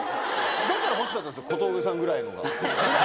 だから、欲しかったんですよ、小峠さんぐらいのが。